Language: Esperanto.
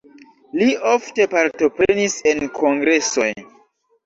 Li ofte partoprenis en kongresoj.